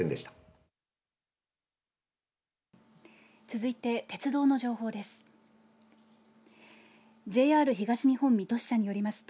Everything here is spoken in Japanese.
続いて、鉄道の情報です。